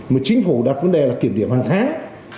mà chính phủ đặt vấn đề là kiểm điểm hàng tháng